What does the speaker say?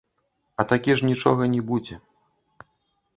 А такі ж нічога не будзе.